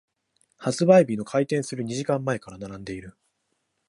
発売日の開店する二時間前から並んでいる。